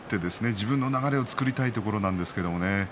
自分の流れを作りたいところなんですけれどもね。